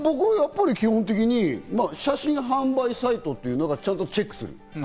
僕は基本的に写真販売サイトというのがちゃんとチェックする。